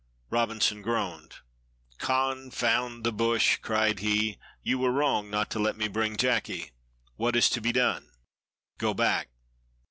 Robinson groaned. "Confound the bush," cried he. "You were wrong not to let me bring Jacky. What is to be done?" "Go back."